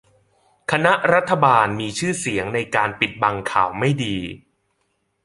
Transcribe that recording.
คณะรัฐบาลมีชื่อเสียงในการปิดบังข่าวไม่ดี